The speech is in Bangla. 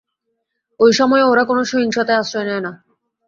এই সময়ে ওরা কোনো সহিংসতার আশ্রয় নেয় না।